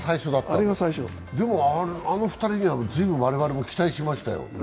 でもあの２人には我々ずいぶん期待しましたよ。